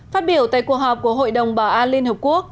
phát biểu tại cuộc họp của hội đồng bảo an liên hợp quốc